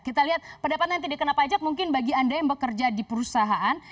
kita lihat pendapatan yang tidak kena pajak mungkin bagi anda yang bekerja di perusahaan